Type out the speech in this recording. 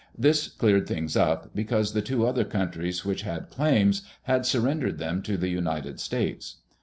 This cleared things up, because the two other countries which had had claims, had surrendered them to the United States.